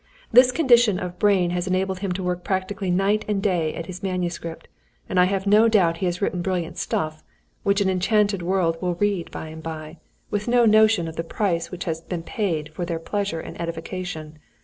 This condition of brain has enabled him to work practically night and day at his manuscript, and I have no doubt he has written brilliant stuff, which an enchanted world will read by and by, with no notion of the price which has been paid for their pleasure and edification.